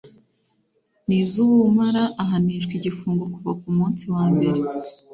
n iz ubumara ahanishwa igifungo kuva kumunsi wambere